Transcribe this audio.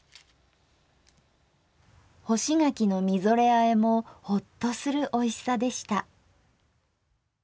「干し柿のみぞれあえ」もホッとするおいしさでした。